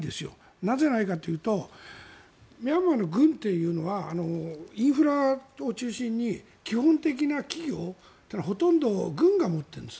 なぜないかというとミャンマーの軍というのはインフラを中心に基本的な企業をほとんど軍が持ってるんです。